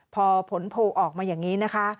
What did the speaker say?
พอผลโพลออกมาอย่างนี้นะคะ